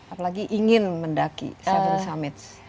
apalagi ingin mendaki tujuh summits